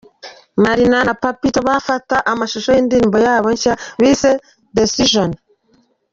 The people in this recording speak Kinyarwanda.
Marina na Papito bafata amashusho y'indirimbo yabo nshya bise 'Decision'.